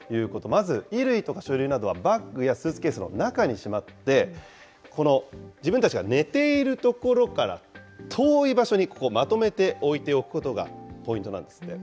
まず、衣類とか書類などはバッグやスーツケースの中にしまって、この自分たちが寝ている所から遠い場所にまとめて置いておくことがポイントなんですって。